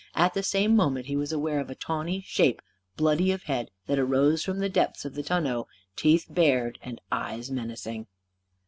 At the same moment he was aware of a tawny shape, bloody of head, that arose from the depths of the tonneau; teeth bared and eyes menacing.